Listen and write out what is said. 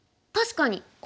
確かに！